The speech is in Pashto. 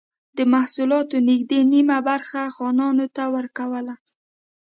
د محصولاتو نږدې نییمه برخه خانانو ته ورکوله.